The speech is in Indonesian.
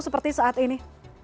seperti saat ini